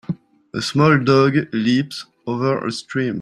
A small dog leaps over a stream.